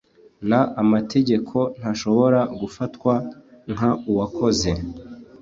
N amategeko ntashobora gufatwa nk uwakoze